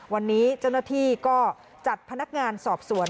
วันนี้เจ้าหน้าที่ก็จัดพนักงานสอบสวน